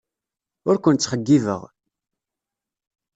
Ur ken-ttxeyyibeɣ.